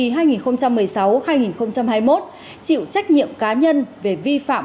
bí thư ban cán sự đảng ubnd tỉnh nhiệm kỳ hai nghìn một mươi sáu hai nghìn hai mươi một chịu trách nhiệm cá nhân về vi phạm